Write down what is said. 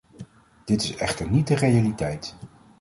Dit is echter niet de realiteit.